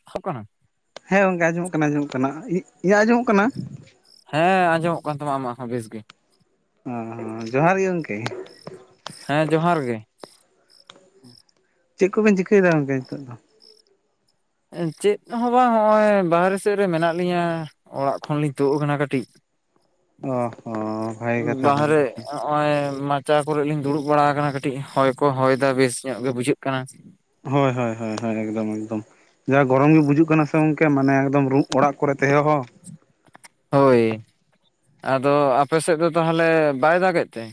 [unintelligible] ᱦᱮᱸ ᱜᱚᱝᱠᱮ ᱟᱸᱡᱚᱢᱚᱜ ᱠᱟᱱᱟ ᱟᱸᱡᱚᱢᱚᱜ ᱠᱟᱱᱟ, ᱤᱧᱟᱹᱜ ᱟᱸᱡᱚᱢᱚᱜ ᱠᱟᱱᱟ ᱾ ᱦᱮᱸ ᱟᱸᱡᱚ ᱢᱚᱜ ᱠᱟᱱ ᱛᱟᱢᱟ ᱟᱢᱟᱜ ᱦᱚᱸ ᱵᱮᱥ ᱜᱮ ᱾ ᱚᱸ ᱡᱚᱦᱟᱨ ᱜᱮ ᱜᱚᱝᱠᱮ ᱦᱮᱸ ᱡᱚᱦᱟᱨ ᱜᱮ ᱪᱮᱫ ᱠᱚᱵᱮᱱ ᱪᱤᱠᱟᱹᱭᱮᱫᱟ ᱜᱚᱝᱠᱮ ᱱᱤᱛᱚᱜ ᱫᱚ? ᱪᱮᱫ ᱦᱚᱸ ᱵᱟᱝ ᱱᱚᱜᱼᱚᱭ ᱵᱟᱦᱨᱮ ᱥᱮᱫ ᱨᱮ ᱢᱮᱱᱟᱜ ᱞᱤᱧᱟᱹ ᱚᱲᱟᱜ ᱠᱷᱚᱱᱞᱤᱧ ᱛᱩᱫ ᱟᱠᱟᱱᱟ ᱠᱟᱹᱴᱤᱡ ᱚ ᱦᱚᱸ ᱾ ᱵᱷᱟᱜᱮ ᱮᱜ ᱠᱟᱛᱷᱟ ᱵᱷᱟᱜᱮ ᱵᱟᱦᱟᱨᱮ ᱚᱜ ᱠᱟᱛᱷᱟ ᱱᱚᱜ ᱚᱭ ᱢᱟᱪᱟ ᱠᱚᱨᱮ ᱞᱤᱧ ᱫᱩᱲᱩᱵ ᱵᱟᱲᱟ ᱟᱠᱟᱱᱟ ᱠᱟᱹᱴᱤᱡ, ᱦᱚᱭ ᱠᱚ ᱦᱚᱭ ᱫᱟ ᱵᱮᱥ ᱧᱚᱜ ᱜᱮ ᱵᱩᱡᱷᱟᱹᱜ ᱠᱟᱱᱟ ᱾ ᱦᱳᱭ ᱦᱳᱭ ᱦᱳᱭ ᱦᱳᱭ ᱮᱠᱫᱚᱢ ᱮᱠᱫᱚᱢ ᱡᱟ ᱜᱚᱨᱚᱢ ᱜᱮ ᱵᱩᱡᱩᱜ ᱠᱟᱱᱟ ᱥᱮ ᱜᱚᱝᱠᱮ ᱢᱟᱱᱮ ᱮᱠ ᱫᱚᱢ ᱚᱲᱟᱜ ᱠᱚ ᱨᱮ ᱛᱟᱦᱮᱸ ᱦᱚᱸ ᱾ ᱦᱳᱭ ᱟᱫᱚ ᱟᱯᱮᱥᱮᱫ ᱫᱚ ᱛᱟᱦᱚᱞᱮ ᱵᱟᱭ ᱫᱟᱜᱮᱫ ᱛᱮ?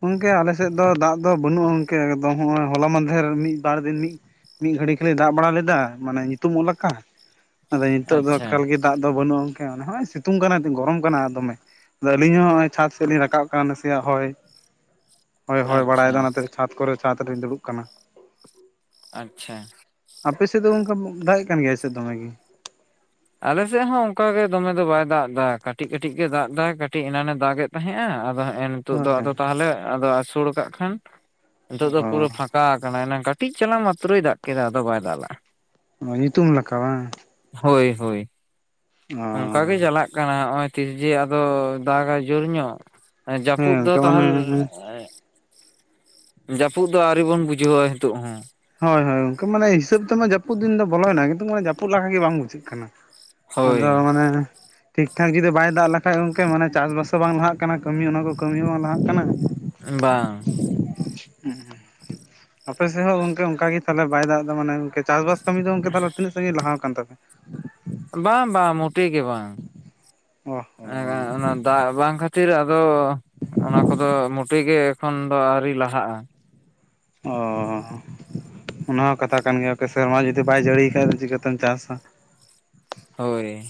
ᱜᱚᱝᱠᱮ ᱟᱞᱮᱥᱮᱫ ᱫᱚ ᱫᱟᱜ ᱫᱚ ᱵᱟᱹᱱᱩᱜᱼᱟ, ᱜᱚᱝᱠᱮ ᱮᱠᱫᱚᱢ ᱱᱚᱜᱼᱚᱭ ᱦᱚᱞᱟ ᱢᱟᱦᱫᱷᱮᱨ ᱢᱤᱫ ᱵᱟᱨ ᱫᱤᱱ ᱢᱤᱫ ᱢᱤᱫ ᱜᱷᱟᱹᱲᱤ ᱠᱷᱟᱞᱤ ᱫᱟᱜ ᱵᱟᱲᱟ ᱞᱮᱫᱟ, ᱢᱟᱱᱮ ᱧᱩᱛᱩᱢᱼᱚᱜ ᱞᱮᱠᱟ ᱟᱫᱚ ᱱᱤᱛᱚᱜ ᱫᱚ ᱟᱪᱪᱷᱟ ᱮᱠᱟᱞ ᱜᱮ ᱫᱟᱜ ᱫᱚ ᱵᱟᱹᱱᱩᱜᱼᱟ ᱜᱚᱝᱠᱮ ᱾ ᱚᱱᱮ ᱦᱚᱸᱭ ᱥᱤᱛᱩᱝ ᱠᱟᱱᱟ ᱜᱚᱨᱚᱢ ᱠᱟᱱᱟ ᱫᱚᱢᱮ ᱾ ᱟᱫᱚ ᱟᱹᱞᱤᱧ ᱦᱚᱸ ᱱᱚᱜᱼᱚᱭ ᱪᱷᱟᱛ ᱥᱮᱫ ᱞᱤᱧ ᱨᱟᱠᱟᱵ ᱠᱟᱱᱟ, ᱱᱟᱥᱮᱭᱟᱜ ᱦᱚᱭ ᱦᱳᱭ ᱦᱳᱭ ᱟᱪᱪᱷᱟ ᱵᱟᱲᱟᱭᱫᱟ ᱚᱱᱟᱛᱮ ᱪᱷᱟᱛ ᱠᱚᱨᱮ ᱪᱷᱟᱛ ᱨᱮᱧ ᱫᱩᱲᱩᱵ ᱠᱟᱱᱟ ᱾ ᱟᱪᱪᱷᱟ ᱟᱯᱮ ᱥᱮᱫ ᱫᱚ ᱜᱚᱝᱠᱮ ᱫᱟᱜᱮᱫ ᱠᱟᱱ ᱜᱮᱭᱟᱭ ᱥᱮ ᱫᱚᱢᱮᱜ ᱜᱮ᱾ ᱟᱞᱮᱥᱮᱫ ᱦᱚᱸ ᱚᱱᱠᱟᱟᱜ ᱜᱮ ᱫᱚᱢᱮ ᱫᱚ ᱵᱟᱭ ᱫᱟᱜ ᱮᱫᱟ ᱠᱟᱹᱴᱤᱡ ᱠᱟᱹᱴᱤᱡ ᱜᱮ ᱫᱟᱜ ᱮᱫᱟ ᱠᱟᱹᱴᱤᱡ ᱮᱱᱟᱱᱮ ᱫᱟᱜ ᱮᱫ ᱛᱟᱦᱮᱸᱼᱟ, ᱟᱫᱚ ᱮᱱ ᱱᱤᱛᱚᱜ ᱦᱳᱭ ᱫᱚ ᱟᱫᱚ ᱦᱮᱸ ᱛᱟᱦᱚᱞᱮ ᱟᱫᱚ ᱟᱹᱥᱩᱲ ᱠᱟᱜ ᱠᱷᱟᱱ ᱱᱤᱛᱚᱜ ᱫᱚ ᱯᱩᱨᱟᱹ ᱯᱷᱟᱸᱠᱟ ᱟᱠᱟᱱᱟ ᱾ ᱮᱱᱟᱝ ᱠᱟᱴ ᱠᱟᱹᱴᱤᱡ ᱪᱟᱞᱟᱝ ᱢᱟᱛᱨᱚᱭ ᱫᱟᱜ ᱠᱮᱫᱟ ᱟᱫᱚ ᱵᱟᱭ ᱫᱟᱜ ᱞᱮ-ᱟ ᱾ ᱚᱸ ᱧᱩᱛᱩᱢ ᱞᱮᱠᱟ ᱵᱟᱝ ᱾ ᱦᱳᱭ ᱦᱳᱭ ᱚ ᱚᱱᱠᱟ ᱜᱮ ᱪᱟᱞᱟᱜ ᱠᱟᱱᱟ ᱱᱚᱜᱼᱚᱭ ᱛᱤᱥ ᱡᱮ ᱟᱫᱚ ᱫᱟᱜᱟ ᱡᱳᱨ ᱧᱚᱜ ᱾ ᱮᱸ ᱦᱮᱸ ᱡᱟᱹᱯᱩᱫ ᱫᱚ ᱚᱱᱠᱟ ᱢᱟᱱᱮ ᱛᱟᱦᱚᱞᱮ ᱮᱸᱜ ᱡᱟᱹᱯᱩᱫ ᱫᱚ ᱟᱹᱣᱨᱤ ᱵᱚᱱ ᱵᱩᱡᱷᱟᱹᱣᱟ ᱱᱤᱛᱚᱜ ᱦᱚᱸ ᱾ ᱦᱳᱭ ᱦᱳᱭ ᱢᱟᱱᱮ ᱦᱤᱥᱟᱹᱵᱽ ᱛᱮᱢᱟ ᱢᱟ ᱡᱟᱹᱯᱩᱫᱤᱱ ᱫᱚ ᱵᱚᱞᱚᱭᱮᱱᱟ᱾ ᱠᱤᱱᱛᱩ ᱢᱟᱱᱮ ᱡᱟᱹᱯᱩᱫ ᱞᱮᱠᱟ ᱜᱮ ᱵᱟᱝ ᱵᱩᱡᱷᱟᱹᱜ ᱠᱟᱱᱟ ᱾ ᱟᱫᱚ ᱦᱳᱭ ᱢᱟᱱᱮ ᱴᱷᱤᱠ ᱴᱷᱟᱠ ᱡᱩᱫᱤ ᱵᱟᱭ ᱫᱟᱜ ᱞᱮ ᱠᱷᱟᱡ ᱜᱚᱝᱠᱮ ᱢᱟᱱᱮ ᱪᱟᱥ ᱵᱟᱥ ᱦᱚᱸ ᱵᱟᱝ ᱞᱟᱦᱟᱜ ᱠᱟᱱᱟ ᱠᱟᱹᱢᱤ ᱚᱱᱟ ᱠᱚ ᱠᱟᱹᱢᱤ ᱵᱟᱝ ᱞᱟᱦᱟᱜ ᱠᱟᱱᱟ ᱾ ᱵᱟᱝ ᱟᱯᱮ ᱥᱮᱫ ᱦᱚᱸ ᱜᱚᱝᱠᱮ ᱚᱱᱠᱟᱜ ᱜᱮ ᱛᱟᱦᱚᱞᱮ ᱵᱟᱭ ᱫᱟᱜ ᱮᱫᱟ, ᱢᱟᱱᱮ ᱪᱟᱥ ᱵᱟᱥ ᱠᱟᱹᱢᱤ ᱫᱚ ᱜᱚᱝᱠᱮ ᱛᱟᱦᱞᱮ ᱛᱤᱱᱟᱹᱜ [unintelligible] ᱞᱟᱦᱟ ᱟᱠᱟᱱ ᱛᱟᱯᱮᱭᱟ? ᱵᱟᱝ ᱵᱟᱝ ᱢᱚᱴᱮ ᱜᱮ ᱵᱟᱝ ᱚ ᱦᱚᱸ ᱚᱱᱟ ᱫᱟᱜ ᱵᱟᱝ ᱠᱷᱟᱹ ᱛᱤᱨ ᱟᱫᱚ ᱚᱱᱟ ᱠᱚᱫᱚ ᱢᱩᱴᱤ ᱜᱮ ᱮᱠᱷᱚᱱ ᱫᱚ ᱟᱹᱣᱨᱤ ᱞᱟᱦᱟᱜᱼᱟ ᱾ ᱚᱸ ᱚᱱᱟ ᱦᱚᱸ ᱠᱟᱛᱷᱟ ᱠᱟᱱ ᱜᱮᱭᱟ, ᱥᱮᱨᱢᱟ ᱡᱩᱫᱤ ᱵᱟᱭ ᱡᱟᱹᱲᱤᱭ ᱠᱷᱟᱡ ᱫᱚ ᱪᱤᱠᱟᱹᱛᱮᱢ ᱪᱟᱥᱟ ᱾ ᱦᱳᱭ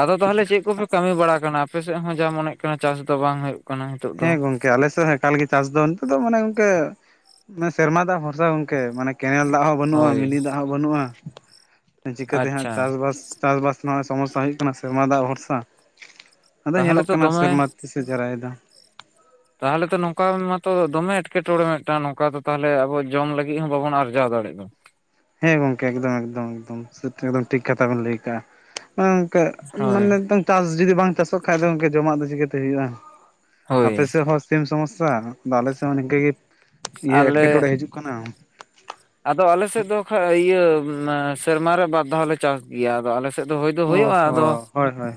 ᱟᱫᱚ ᱛᱟᱦᱞᱮ ᱪᱮᱫ ᱠᱚᱯᱮ ᱠᱟᱹᱢᱤ ᱵᱟᱲᱟ ᱠᱟᱱᱟ ᱟᱯᱮ ᱥᱮᱫ? ᱦᱚᱸ ᱡᱟ ᱢᱚᱱᱮᱜ ᱠᱟᱱᱟ ᱪᱟᱥ ᱫᱚ ᱵᱟᱝ ᱦᱩᱭᱩᱜ ᱠᱟᱱᱟ ᱱᱤᱛᱚᱜ ᱫᱚ ᱾ ᱦᱮᱸ ᱜᱚᱝᱠᱮ ᱟᱞᱮ ᱥᱮᱫ ᱦᱚᱸ ᱮᱠᱟᱞ ᱜᱮ ᱪᱟᱥ ᱫᱚ ᱱᱤᱛ ᱫᱚ ᱢᱟᱱᱮ ᱜᱚᱝᱠᱮ ᱢᱟᱱᱮ ᱥᱮᱨᱢᱟ ᱫᱟᱜ ᱵᱷᱚᱨᱥᱟ ᱜᱚᱢᱠᱮ ᱢᱟᱱᱮ ᱠᱮᱱᱮᱞ ᱫᱟᱜ ᱦᱚᱸ ᱵᱟᱹᱱᱩᱜᱼᱟ, ᱦᱳᱭ ᱢᱤᱱᱤ ᱫᱟᱜ ᱦᱚᱸ ᱵᱟᱹᱱᱩᱜᱼᱟ ᱾ ᱪᱤᱠᱟᱹᱛᱮ ᱦᱟᱸᱜ ᱟᱪᱪᱷᱟ ᱪᱟᱥᱵᱟᱥ ᱪᱟᱥᱼᱵᱟᱥ ᱨᱮᱱᱟᱜ ᱥᱚᱢᱚᱥᱟ ᱦᱩᱭᱩᱜ ᱠᱟᱱᱟ, ᱥᱮᱨᱢᱟ ᱫᱟᱜ ᱵᱷᱚᱨᱥᱟ᱾ ᱟᱫᱚ ᱛᱟᱦᱚᱞᱮ ᱧᱮᱞᱚᱜ ᱛᱚ ᱠᱟᱱᱟ ᱫᱚᱢᱮ ᱥᱮᱨᱢᱟ ᱛᱤ ᱥᱮ ᱡᱟᱨᱟᱭ ᱫᱚ ᱾ ᱛᱟᱦᱚᱞᱮ ᱛᱚ ᱱᱚᱝᱠᱟ ᱢᱟᱛᱚ ᱫᱚᱢᱮ ᱮᱴᱠᱮᱴᱚᱬᱮ ᱢᱤᱫᱴᱟᱝ ᱱᱚᱝᱠᱟ ᱫᱚ ᱛᱟᱦᱚᱞᱮ ᱟᱵᱚ ᱡᱚᱢ ᱞᱟᱹᱜᱤᱫ ᱦᱚᱸ ᱵᱟᱵᱚᱱ ᱟᱨᱡᱟᱣ ᱫᱟᱲᱮᱜ ᱫᱚ ᱾ ᱦᱮᱸ ᱜᱚᱝᱠᱮ ᱮᱠᱫᱚᱢ ᱮᱠᱫᱚᱢ ᱮᱠᱫᱚᱢ ᱮᱠᱫᱚᱢ ᱴᱷᱤᱠ ᱠᱟᱛᱷᱟ ᱵᱮᱱ ᱞᱟᱹᱭ ᱠᱟᱜᱼᱟ ᱾ ᱚᱱᱮ ᱜᱚᱝᱠᱮ ᱦᱳᱭ ᱢᱟᱱᱮ ᱪᱟᱥ ᱡᱩᱫᱤ ᱵᱟᱝ ᱪᱟᱥᱚᱜ ᱠᱷᱟᱱ ᱫᱚ ᱡᱚᱢᱟᱜ ᱫᱚ ᱪᱤᱠᱟᱹᱛᱮ ᱦᱩᱭᱩᱜᱼᱟ ᱾ ᱦᱳᱭ ᱟᱯᱮ ᱥᱮᱫ ᱦᱚᱸ ᱥᱤᱢ ᱥᱚᱢᱚᱥᱟ ᱟᱞᱮ ᱥᱮᱫ ᱦᱚᱸ ᱱᱤᱝᱠᱟᱹ ᱜᱮ ᱤᱭᱟᱹ ᱟᱞᱮ ᱮᱴᱠᱮ ᱴᱚᱬᱮ ᱦᱤᱡᱩᱜ ᱠᱟᱱᱟᱢ ᱾ ᱟᱫᱚ ᱟᱞᱮ ᱥᱮᱫ ᱫᱚ ᱠᱷᱟᱡ ᱤᱭᱟᱹ ᱥᱮᱨᱢᱟ ᱨᱮ ᱵᱟᱨ ᱫᱷᱟᱣ ᱞᱮ ᱪᱟᱥ ᱜᱮᱭᱟ, ᱟᱫᱚ ᱟᱞᱮ ᱥᱮᱫ ᱫᱚ ᱦᱳᱭ ᱫᱚ ᱚ ᱦᱩᱭᱩᱜᱼᱟ ᱟᱫᱚ ᱦᱚᱸ ᱦᱳᱭ ᱦᱳᱭ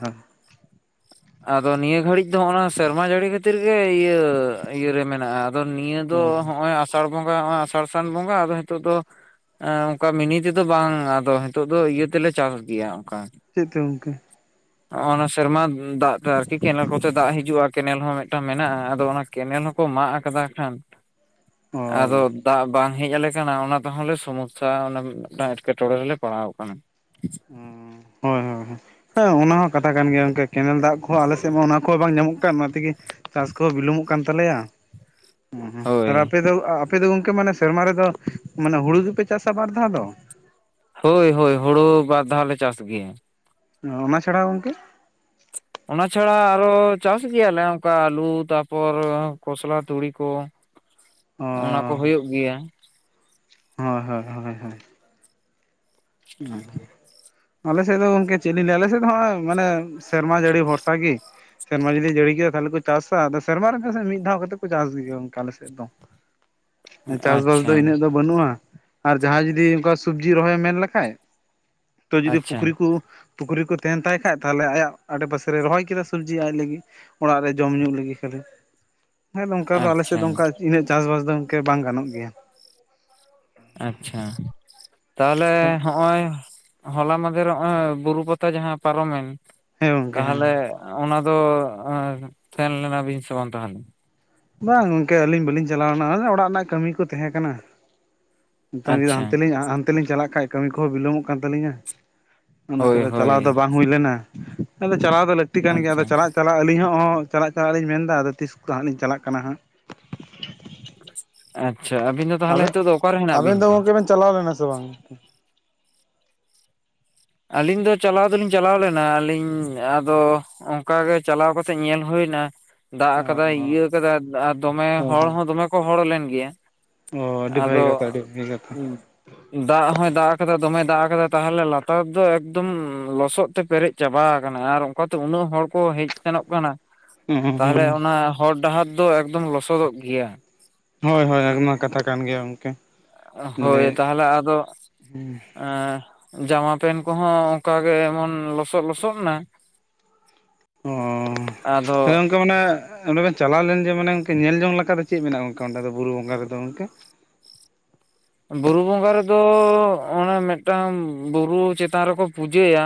ᱟᱫᱚ ᱱᱤᱭᱟᱹ ᱜᱷᱟᱹᱲᱤᱡ ᱫᱚ ᱦᱚᱸᱜᱼ ᱱᱟ ᱥᱮᱨᱢᱟ ᱡᱟᱹᱲᱤ ᱠᱷᱟᱹᱛᱤᱨ ᱜᱮ ᱤᱭᱟᱹ ᱤᱭᱟᱹᱟᱹᱨᱮ ᱢᱮᱱᱟᱜᱼᱟ ᱟᱫᱚ ᱱᱤᱭᱟᱹ ᱫᱚ ᱦᱳᱭ ᱱᱚᱜᱼᱚᱭ ᱟᱥ ᱟᱥᱟᱲ ᱵᱚᱸᱜᱟ ᱟᱥᱟᱲ ᱥᱟᱱ ᱵᱚᱸᱜᱟ ᱟᱫᱚ ᱱᱤᱛᱚᱜ ᱫᱚ ᱚᱝᱠᱟ ᱢᱤᱱᱤ ᱛᱮᱫᱚ ᱵᱟᱝ ᱟᱫᱚ ᱦᱤᱛᱚᱜ ᱫᱚ ᱤᱭᱟᱹ ᱛᱮᱞᱮ ᱪᱟᱥ ᱜᱮᱭᱟ ᱚᱝᱠᱟ ᱪᱮᱫ ᱠᱚ ᱜᱚᱝᱠᱮ [inaudible] ᱱᱚᱜ ᱚᱱᱟ ᱥᱮᱨᱢᱟ ᱫᱟᱜ ᱛᱮ ᱟᱨᱠᱤ ᱠᱮᱱᱮᱞ ᱠᱚᱛᱮ ᱫᱟᱜ ᱦᱤᱡᱩᱜᱼᱟ ᱠᱮᱱᱮᱞ ᱦᱚᱸ ᱢᱤᱫᱴᱟᱝ ᱢᱮᱱᱟᱜᱼᱟ ᱟᱫᱚ ᱚᱱᱟ ᱠᱮᱱᱮᱞ ᱦᱚᱸ ᱠᱚ ᱢᱟᱜ ᱠᱟᱫᱟ ᱠᱷᱟᱱ ᱚ ᱟᱫᱚ ᱦᱳᱭ ᱫᱟᱜ ᱵᱟᱝ ᱦᱮᱡ ᱟᱞᱮ ᱠᱟᱱᱟ ᱚᱱᱟ ᱛᱮᱦᱚᱸᱞᱮ ᱥᱚᱢᱚᱥᱟ ᱢᱤᱫᱴᱟᱝ ᱮᱴᱠᱮᱴᱚᱬᱮ ᱨᱮᱞᱮ ᱯᱟᱲᱟᱣ ᱟᱠᱟᱱᱟ ᱦᱳᱭ ᱦᱳᱭ ᱦᱮᱸ ᱚᱱᱟ ᱦᱚᱸ ᱠᱟᱛᱷᱟ ᱠᱟᱱ ᱜᱮᱭᱟ ᱜᱚᱝᱠᱮ ᱠᱮᱱᱮᱞ ᱫᱟᱜ ᱠᱚᱦᱚᱸ ᱟᱞᱮᱥᱮᱫ ᱢᱟ ᱚᱱᱟ ᱠᱚᱦᱚᱸ ᱵᱟᱝ ᱧᱟᱢᱚᱜ ᱠᱟᱱ ᱚᱱᱟ ᱛᱮᱜᱮ ᱪᱟᱥ ᱠᱚ ᱵᱤᱞᱚᱢᱚᱜ ᱠᱟᱱ ᱛᱟᱞᱮᱭᱟ [inaudible] ᱦᱩ ᱦᱩᱸ ᱟᱨ ᱦᱳᱭ ᱟᱯᱮ ᱫᱚ ᱟᱯᱮ ᱫᱚ ᱜᱚᱝᱠᱮ ᱢᱟᱱᱮ ᱥᱮᱨᱢᱟ ᱨᱮᱫᱚ ᱢᱟᱱᱮ ᱦᱩᱲᱩ ᱜᱮᱯᱮ ᱪᱟᱥᱟ ᱵᱟᱨ ᱫᱷᱟᱣ ᱫᱚ ᱦᱳᱭ ᱦᱳᱭ ᱦᱳᱲᱳ ᱵᱟᱨ ᱫᱷᱟᱣ ᱞᱮ ᱪᱟᱥ ᱜᱮᱭᱟ ᱚᱱᱟ ᱪᱷᱟᱲᱟ ᱜᱚᱝᱠᱮ ᱚᱱᱟ ᱪᱷᱟᱲᱟ ᱟᱨᱚ ᱪᱟᱥ ᱜᱮᱭᱟᱞᱮ ᱚᱱᱠᱟ ᱟᱞᱩ ᱛᱟᱯᱚᱨ ᱠᱷᱚᱥᱞᱟ ᱛᱩᱲᱤ ᱠᱚ ᱚ ᱚᱱᱟ ᱠᱚ ᱦᱳᱭᱳᱜ ᱜᱮᱭᱟ ᱦᱳᱭ ᱦᱳᱭ ᱦᱚᱳᱭ ᱦᱳᱭ ᱚ ᱟᱞᱮᱥᱮᱫ ᱫᱚ ᱜᱚᱝᱠᱮ ᱪᱮᱫ ᱞᱤᱧ ᱞᱟᱹᱭᱟ ᱟᱞᱮᱥᱮᱫ ᱫᱚ ᱦᱚᱸᱚᱭ ᱢᱟᱱᱮ ᱥᱮᱨᱢᱟ ᱡᱟᱹᱲᱤ ᱵᱷᱚᱨᱥᱟ ᱜᱤ ᱥᱮᱨᱢᱟ ᱡᱩᱫᱤᱭ ᱡᱟᱹᱲᱤ ᱠᱮᱫᱟ ᱛᱟᱦᱚᱞᱮ ᱠᱚ ᱪᱟᱥᱟ ᱟᱫᱚ ᱥᱮᱨᱢᱟ ᱨᱮ ᱥᱮ ᱢᱤᱫᱷᱟᱣ ᱠᱟᱛᱮ ᱠᱚ ᱪᱟᱥ ᱜᱮᱭᱟ ᱚᱝᱠᱟ ᱟᱞᱮᱥᱮᱫ [unintelligible] ᱪᱟᱥᱵᱟᱥ ᱟᱪᱪᱷᱟ ᱫᱚ ᱤᱱᱟᱹᱜ ᱫᱚ ᱵᱟᱹᱱᱩᱜᱼᱟ ᱟᱨ ᱡᱟᱦᱟᱸᱭ ᱡᱩᱫᱤ ᱚᱝᱠᱟ ᱥᱚᱵᱡᱤ ᱨᱚᱦᱚᱭ ᱢᱮᱱ ᱞᱮ ᱠᱷᱟᱡ ᱛᱚ ᱡᱩᱫᱤ ᱟᱪᱪᱷᱟ ᱯᱩᱠᱷᱨᱤ ᱠᱚ ᱯᱩᱠᱷᱨᱤ ᱠᱚ ᱛᱟᱦᱮᱱ ᱛᱟᱭ ᱠᱷᱟᱡ ᱛᱟᱦᱚᱞᱮ ᱟᱭᱟᱜ ᱟᱲᱮ ᱯᱟᱥᱮᱭ ᱨᱚᱦᱚᱭ ᱠᱮᱫᱟ ᱥᱚᱵᱡᱤ ᱟᱡ ᱞᱟᱹᱜᱤᱫ ᱚᱲᱟᱜ ᱨᱮ ᱡᱚᱢ ᱧᱩ ᱞᱟᱹᱜᱤᱫ ᱠᱷᱟᱹᱞᱤ ᱦᱮᱸ ᱱᱚᱱᱠᱟ ᱫᱚ ᱟᱞᱮᱥᱮᱫ ᱟᱪᱪᱷᱟ ᱫᱚ ᱚᱱᱠᱟ ᱤᱱᱟᱹᱜ ᱪᱟᱥᱵᱟᱥ ᱫᱚ ᱤᱱᱟᱹᱜ ᱵᱟᱝ ᱜᱟᱱᱚᱜ ᱜᱮᱭᱟ ᱟᱪᱪᱷᱟ ᱛᱟᱦᱚᱞᱮ ᱦᱚᱜᱼᱚᱭ ᱦᱚᱞᱟ ᱢᱫᱷᱮᱨ ᱱᱚᱚᱭ ᱵᱩᱨᱩ ᱯᱟᱛᱟ ᱡᱟᱦᱟᱸ ᱯᱟᱨᱚᱢᱮᱱ ᱦᱮᱸ ᱜᱚᱝᱠᱮ ᱦᱮᱸ ᱛᱟᱦᱚᱞᱮ ᱚᱱᱟ ᱫᱚ ᱛᱟᱦᱮᱸᱱ ᱞᱮᱱᱟ ᱵᱤᱱ ᱥᱮ ᱵᱟᱝ ᱛᱟᱦᱚᱞᱮ ᱵᱟᱝ ᱜᱚᱝᱠᱮ ᱟᱹᱞᱤᱧ ᱵᱟᱹᱞᱤᱧ ᱪᱟᱞᱟᱣ ᱞᱮᱱᱟ ᱮ ᱚᱲᱟᱜ ᱨᱮᱱᱟᱜ ᱠᱟᱹᱢᱤ ᱠᱚ ᱛᱟᱦᱮᱸ ᱠᱟᱱᱟ ᱱᱤᱛᱚᱝ ᱡᱩᱫᱤ ᱟᱪᱪᱷᱟ ᱦᱟᱱᱛᱮ ᱞᱤᱧ ᱦᱟᱱᱛᱮ ᱞᱤᱧ ᱪᱟᱞᱟᱜ ᱠᱷᱟᱡ ᱠᱟᱹᱢᱤ ᱠᱚᱦᱚᱸ ᱵᱤᱞᱚᱢᱚᱜ ᱠᱟᱱ ᱛᱟᱹᱞᱤᱧᱟ ᱚᱱᱟᱛᱮ ᱦᱳᱭ ᱦᱳᱭ ᱪᱟᱞᱟᱣ ᱫᱚ ᱵᱟᱝ ᱦᱩᱭ ᱞᱮᱱᱟ ᱟᱫᱚ ᱪᱟᱞᱟᱣ ᱫᱚ ᱞᱟᱹᱛᱤ ᱠᱟᱱ ᱜᱮᱭᱟ ᱟᱪᱪᱷᱟ ᱟᱫᱚ ᱪᱟᱞᱟᱜ ᱟᱹᱞᱤᱧ ᱦᱚᱸ ᱪᱟᱞᱟᱜ ᱪᱟᱞᱟᱜ ᱞᱤᱧ ᱢᱮᱱ ᱮᱫᱟ ᱟᱫᱚ ᱛᱤᱥ ᱠᱚᱛᱮ ᱦᱟᱸᱜ ᱞᱤᱧ ᱪᱟᱞᱟᱜ ᱠᱟᱱᱟ ᱦᱟᱸᱜ ᱟᱪᱪᱷᱟ ᱟᱹᱵᱤᱱ ᱫᱚ ᱛᱟᱦᱞᱮ ᱟᱵᱮ ᱦᱤᱛᱳᱜ ᱫᱚ ᱚᱠᱟᱨᱮ ᱦᱮᱱᱟᱜ ᱟᱵᱮᱱ ᱵᱤᱱ ᱫᱚ ᱛᱮ ᱜᱚᱝᱠᱮ ᱵᱮᱱ ᱪᱟᱞᱟᱣ ᱞᱮᱱᱟ ᱥᱮ ᱵᱟᱝ ᱟᱹᱞᱤᱧ ᱫᱚ ᱪᱟᱞᱟᱣ ᱫᱚᱞᱤᱧ ᱪᱟᱞᱟᱣ ᱞᱮᱱᱟ ᱟᱹᱞᱤᱧ ᱟᱫᱚ ᱚᱝᱠᱟ ᱜᱮ ᱪᱟᱞᱟᱣ ᱠᱟᱛᱮᱜ ᱧᱮᱞ ᱦᱩᱭ ᱱᱟ ᱫᱟᱜ ᱟᱠᱟᱫᱟᱭ ᱤᱭᱟᱹ ᱠᱟᱫᱟᱭ ᱟᱨ ᱫᱚᱢᱮ ᱚ ᱦᱚᱲ ᱦᱚᱸ ᱫᱚᱢᱮ ᱠᱚ ᱦᱚᱲ ᱞᱮᱱ ᱜᱮᱭᱟ ᱚ ᱟᱹᱰᱤ ᱟᱫᱚ ᱵᱷᱟᱹᱜᱤ ᱠᱟᱛᱷᱟ ᱟᱹᱰᱤ ᱵᱷᱟᱹᱜᱤ ᱠᱟᱛᱷᱟ ᱫᱟᱜ ᱦᱚᱸᱭ ᱫᱟᱜ ᱠᱟᱫᱟ ᱫᱚᱢᱮ ᱫᱟᱜ ᱠᱟᱫᱟ ᱛᱟᱦᱚᱞᱮ ᱞᱟᱛᱟᱨ ᱛᱟᱨ ᱫᱚ ᱮᱠᱫᱚᱢ ᱞᱚᱥᱚᱫ ᱛᱮ ᱯᱮᱨᱮᱡ ᱪᱟᱵᱟ ᱟᱠᱟᱱᱟ ᱟᱨ ᱚᱱᱠᱟᱛᱮ ᱩᱱᱟᱹᱜ ᱦᱚᱲ ᱠᱚ ᱦᱮᱡ ᱥᱮᱱᱚᱜ ᱠᱟᱱᱟ ᱛᱟᱦᱚᱞᱮ ᱚᱱᱟ ᱦᱚᱨ ᱰᱟᱦᱟᱨ ᱫᱚ ᱮᱠᱫᱚᱢ ᱞᱚᱥᱚᱫᱚᱜ ᱜᱮᱭᱟ ᱦᱳᱭ ᱦᱳᱭ ᱟᱭᱢᱟ ᱠᱟᱛᱷᱟ ᱠᱟᱱ ᱜᱮᱭᱟ ᱜᱚᱝᱠᱮ ᱦᱳᱭ ᱞᱟᱹᱭ ᱛᱟᱦᱚᱞᱮ ᱟᱫᱚ ᱮ ᱡᱟᱢᱟ ᱯᱮᱱ ᱠᱚᱦᱚᱸ ᱚᱝᱠᱟᱜᱮ ᱮᱢᱚᱱ ᱞᱚᱥᱚᱫ ᱞᱚᱥᱚᱫ ᱱᱟ ᱚᱻ ᱟᱫᱚ ᱛᱷᱟᱞᱮ ᱜᱚᱝᱠᱮ ᱢᱟᱱᱮ ᱚᱸᱰᱮ ᱵᱮᱱ ᱪᱟᱞᱟᱣ ᱞᱮᱱ ᱡᱮ ᱢᱟᱱᱮ ᱚᱱᱠᱟ ᱧᱮᱞ ᱡᱚᱝ ᱞᱮᱠᱟ ᱞᱮᱠᱟ ᱫᱚ ᱪᱮᱫ ᱢᱮᱱᱟᱜᱼᱟ ᱜᱚᱝᱠᱮ ᱚᱸᱰᱮ ᱫᱚ ᱵᱩᱨᱩ ᱵᱚᱸᱜᱟ ᱨᱮᱫᱚ ᱜᱚᱝᱠᱮ ᱵᱩᱨᱩ ᱵᱚᱸᱜᱟ ᱨᱮᱫᱚ ᱚᱱᱮ ᱢᱤᱫᱴᱟᱝ ᱵᱩᱨᱩ ᱪᱮᱛᱟᱱ ᱨᱮᱠᱚ ᱯᱩᱡᱟᱹᱭᱟ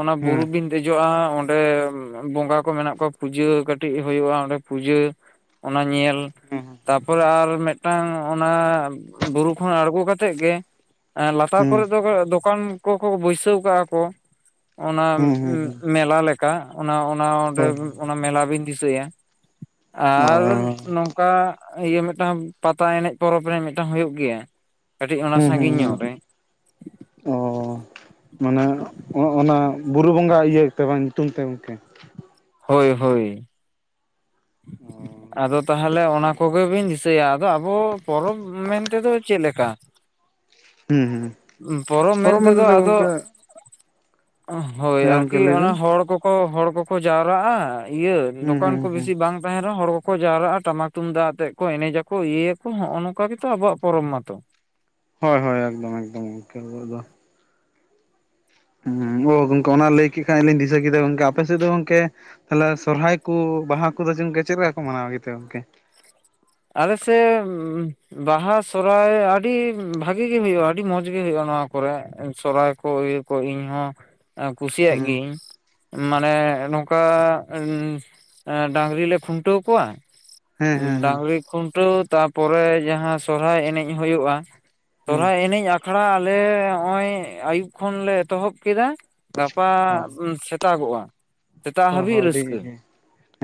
ᱚᱱᱟ ᱦᱮᱸ ᱵᱩᱨᱩ ᱵᱤᱱ ᱫᱮᱡᱚᱜᱼᱟ ᱚᱸᱰᱮ ᱵᱚᱸᱜᱟ ᱠᱚ ᱢᱮᱱᱟᱜ ᱠᱚᱣᱟ, ᱯᱩᱡᱟᱹ ᱠᱟᱹᱴᱤᱡ ᱦᱩᱭᱩᱜᱼᱟ ᱚᱸᱰᱮ ᱯᱩᱡᱟᱹ᱾ ᱚᱱᱟ ᱧᱮᱞ ᱦᱩᱸ ᱛᱟᱯᱚᱨᱮ ᱟᱨ ᱢᱤᱫᱴᱟᱝ ᱚᱱᱟ ᱵᱩᱨᱩ ᱠᱷᱚᱱ ᱟᱬᱜᱚ ᱠᱟᱛᱮᱫ ᱜᱮ, ᱦᱮᱸ ᱞᱟᱛᱟᱨ ᱠᱚᱨᱮ ᱫᱚ ᱫᱚᱠᱟᱱ ᱠᱚᱠᱚ ᱵᱟᱹᱭᱥᱟᱹᱣ ᱠᱟᱜᱼᱟ ᱠᱚ᱾ ᱚᱱᱟ ᱦᱩᱸ ᱦᱩᱸ ᱦᱩᱸ ᱢᱮᱞᱟ ᱞᱮᱠᱟ ᱚᱱᱟ ᱚᱱᱟᱸᱰᱮ ᱦᱳᱭ ᱚᱱᱟ ᱢᱮᱞᱟ ᱵᱤᱱ ᱫᱤᱥᱟᱹᱭᱟ ᱚ ᱟᱨ ᱱᱚᱝᱠᱟ ᱚᱱᱠᱟ ᱤᱭᱟᱹ ᱢᱤᱫᱴᱟᱝ ᱯᱟᱛᱟ ᱮᱱᱮᱡ ᱯᱚᱨᱚᱵᱽ ᱨᱮ ᱢᱤᱫᱴᱟᱝ ᱦᱩᱭᱩᱜ ᱜᱮᱭᱟ᱾ ᱠᱟᱹᱴᱤᱡ ᱚᱱᱟ ᱦᱩᱸ ᱦᱩᱸ ᱥᱟᱺᱜᱤᱧ ᱦᱩᱸ ᱧᱚᱜ ᱨᱮ ᱚ ᱢᱟᱱᱮ ᱚᱱᱟ ᱵᱩᱨᱩ ᱵᱚᱸᱜᱟ ᱤᱭᱟᱹᱛᱮ ᱵᱟᱝ ᱧᱩᱛᱩᱢ ᱛᱮ ᱜᱚᱝᱠᱮ᱾ ᱦᱳᱭ ᱦᱳᱭ᱾ ᱚ ᱟᱫᱚ ᱛᱟᱦᱚᱞᱮ ᱚᱱᱟ ᱠᱚᱜᱮ ᱵᱤᱱ ᱫᱤᱥᱟᱹᱭᱟ, ᱟᱫᱚ ᱟᱵᱚ ᱯᱚᱨᱚᱵᱽ ᱢᱮᱱᱛᱮᱫᱚ ᱪᱮᱫᱞᱮᱠᱟ ᱦᱩᱸ ᱦᱩᱸ ᱯᱚᱨᱚᱵᱽ ᱯᱚᱨᱚᱵ ᱢᱮᱱ ᱢᱮᱱᱛᱮᱫᱚ ᱛᱮᱫᱚ ᱜᱚᱝᱠᱮ ᱟᱫᱚ ᱦᱳᱭ ᱦᱮᱸ ᱜᱚᱝᱠᱮ ᱟᱨᱠᱤ ᱞᱟᱹᱭ ᱚᱱᱟ ᱵᱮᱱ ᱦᱚᱲ ᱠᱚᱠᱚ ᱦᱚᱲ ᱠᱚᱠᱚ ᱡᱟᱣᱨᱟᱜᱼᱟ ᱤᱭᱟᱹ ᱦᱩᱸ ᱫᱚᱠᱟᱱ ᱦᱩᱸ ᱠᱚ ᱦᱩᱸ ᱵᱮᱥᱤ ᱵᱟᱝ ᱛᱟᱦᱮᱱᱟᱦᱚᱸ ᱦᱚᱲ ᱠᱚ ᱠᱚ ᱡᱟᱣᱨᱟᱜᱼᱟ ᱴᱟᱢᱟᱠ ᱛᱩᱢᱫᱟᱜ ᱡᱟᱣᱨᱟᱜ ᱟ ᱴᱟᱢᱟᱠ ᱛᱩᱢᱫᱟᱜ ᱟᱛᱮ ᱠᱚ ᱮᱱᱮᱡᱟᱠᱚ ᱤᱭᱟᱹᱭᱟᱠᱚ ᱱᱚᱜᱼᱚ ᱱᱚᱝᱠᱟ ᱜᱮᱛᱚ ᱟᱵᱚᱣᱟᱜ ᱯᱚᱨᱚᱵ ᱢᱟᱛᱚ᱾ ᱦᱳᱭ ᱦᱳᱭ ᱮᱠᱫᱚᱢ ᱮᱠᱫᱚᱢ ᱜᱚᱝᱠᱮ ᱟᱵᱚᱣᱟᱜ ᱫᱚ᱾ ᱦᱮᱸ ᱜᱚᱝᱠᱮ ᱚᱱᱟ ᱞᱟᱹᱭ ᱠᱮᱫ ᱠᱷᱟᱱ ᱞᱤᱧ ᱫᱤᱥᱟᱹ ᱠᱮᱫᱟ ᱜᱚᱝᱠᱮ ᱟᱯᱮ ᱥᱮᱫ ᱫᱚ ᱜᱚᱢᱠᱮ, ᱛᱟᱦᱚᱞᱮ ᱥᱚᱨᱦᱟᱭ ᱠᱚ ᱵᱟᱦᱟ ᱠᱚᱫᱚ ᱪᱚᱝᱠᱮ ᱪᱮᱫ ᱞᱮᱠᱟ ᱠᱚ ᱢᱟᱱᱟᱣᱟ ᱜᱮᱛᱮ ᱜᱚᱝᱠᱮ? ᱟᱞᱮ ᱥᱮ ᱵᱟᱦᱟ ᱥᱦᱟᱭ ᱟᱹᱰᱤ ᱵᱷᱟᱜᱤ ᱜᱮᱤ ᱦ ᱵᱟᱦᱟ ᱥᱚᱨᱦᱟᱭ ᱟᱹᱰᱤ ᱵᱷᱟᱜᱤ ᱜᱤ ᱦᱩᱭᱩᱜᱼᱟ, ᱟᱹᱰᱤ ᱢᱚᱸᱡᱽᱜᱤ ᱦᱩᱭᱩᱜᱭᱼᱟ ᱱᱚᱣᱟ ᱠᱚᱨᱮ ᱥᱚᱨᱚᱦᱦᱟᱭ ᱠᱚ᱾ ᱠᱚ ᱤᱧ ᱦᱚᱸ ᱠᱩᱥᱤᱭᱟᱜ ᱦᱩᱸ ᱜᱤᱭᱟᱹᱧ᱾ ᱢᱟᱱᱮ ᱱᱚᱝᱠᱟ ᱰᱟᱝᱨᱤᱞ ᱞᱮ ᱠᱷᱩᱱᱴᱟᱹᱣ ᱠᱚᱣᱟ᱾ ᱦᱮᱸ ᱦᱮᱸ ᱦᱮᱸ ᱰᱟᱝᱨᱤ ᱠᱷᱩᱱᱴᱟᱹᱣ ᱛᱟᱨᱯᱚᱨᱮ ᱡᱟᱦᱟᱸ ᱥᱚᱨᱦᱟᱭ ᱮᱱᱮᱡ ᱦᱩᱭᱩᱜᱼᱟ᱾ ᱦᱩᱸ ᱥᱚᱨᱦᱟᱭ ᱮᱱᱮᱡ ᱟᱠᱷᱲᱟ ᱟᱞᱮ ᱱᱚᱜᱼᱚᱭ ᱟᱹᱭᱩᱵ ᱠᱷᱚᱱᱞᱮ ᱮᱛᱚᱦᱚᱵ ᱠᱮᱫᱟ ᱜᱟᱯᱟ ᱦᱚᱸ ᱥᱮᱛᱟᱜᱚᱜᱼᱟ, ᱥᱮᱛᱟᱜ ᱦᱚᱸ ᱦᱟᱹᱵᱤᱡ ᱟᱹᱰᱤ ᱨᱟᱹᱥᱠᱟᱹ᱾